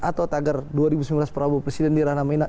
atau tagar dua ribu sembilan belas prabowo presiden di ranah mina